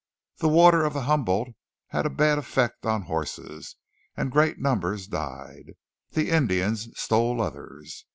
The water of the Humboldt had a bad effect on horses, and great numbers died. The Indians stole others.